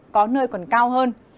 có nơi còn cao hơn